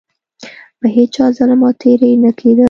په هیچا ظلم او تیری نه کېده.